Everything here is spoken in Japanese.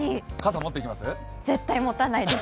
絶対持たないです。